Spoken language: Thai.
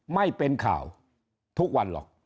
ไม่เป็นข่าวทุกวันหรอก